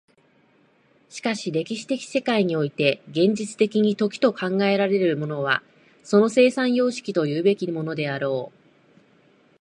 しかし歴史的世界において現実的に時と考えられるものはその生産様式というべきものであろう。